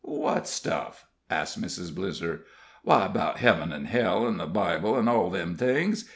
"What stuff?" asked Mrs. Blizzer. "Why, 'bout heaven an' hell, an' the Bible, an' all them things.